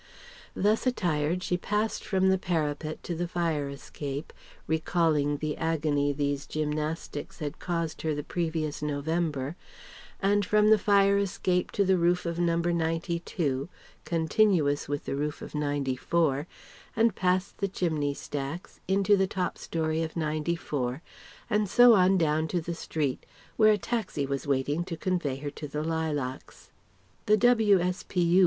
Thus attired she passed from the parapet to the fire escape (recalling the agony these gymnastics had caused her the previous November), and from the fire escape to the roof of No. 92 (continuous with the roof of 94), and past the chimney stacks, into the top storey of 94, and so on down to the street, where a taxi was waiting to convey her to the Lilacs. (The W.S.P.U.